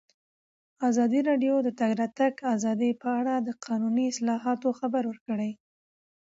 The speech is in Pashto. ازادي راډیو د د تګ راتګ ازادي په اړه د قانوني اصلاحاتو خبر ورکړی.